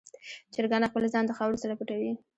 چرګان خپل ځان د خاورو سره پټوي.